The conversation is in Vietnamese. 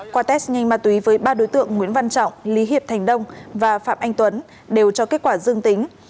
qua test nhanh ma túy với ba đối tượng nguyễn văn trọng lý hiệp thành đông và phạm anh tuấn đều cho kết quả dương tính